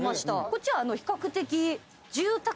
こっちは比較的。